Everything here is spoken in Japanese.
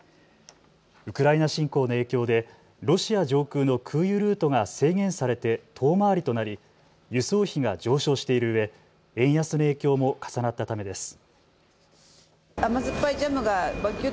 ウクライナ侵攻の影響でロシア上空の空輸ルートが制限されて遠回りとなり輸送費が上昇しているうえ円安の影響も重なったためです。